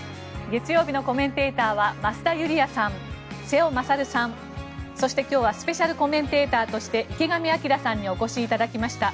月曜日のコメンテーターは増田ユリヤさん瀬尾傑さんそして今日はスペシャルコメンテーターとして池上彰さんにお越しいただきました。